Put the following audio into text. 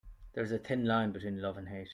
There is a thin line between love and hate.